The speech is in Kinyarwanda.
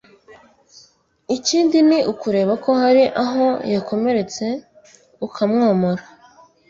ikindi ni ukureba ko hari aho yakomeretse ukamwomora